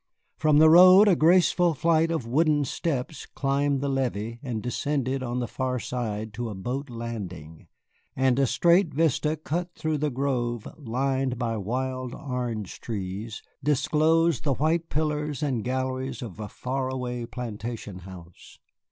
From the road a graceful flight of wooden steps climbed the levee and descended on the far side to a boat landing, and a straight vista cut through the grove, lined by wild orange trees, disclosed the white pillars and galleries of a far away plantation house.